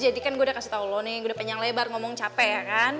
jadi kan gue udah kasih tau lo nih gue udah penyang lebar ngomong capek ya kan